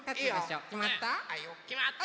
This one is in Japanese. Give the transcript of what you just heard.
きまった？